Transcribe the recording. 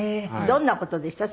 どんな事でした？